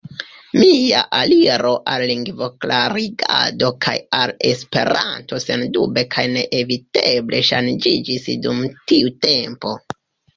Mia aliro al lingvoklarigado kaj al Esperanto sendube kaj neeviteble ŝanĝiĝis dum tiu tempo.